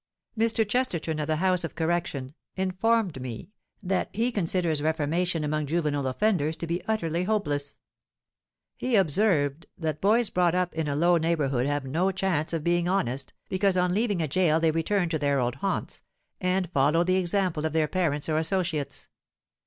Mr. Chesterton, of the House of Correction, informed me that he considers reformation among juvenile offenders to be utterly hopeless; he observed, that 'boys brought up in a low neighbourhood have no chance of being honest, because on leaving a gaol they return to their old haunts, and follow the example of their parents or associates.'